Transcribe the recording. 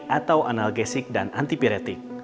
atau analgesik dan antipiretik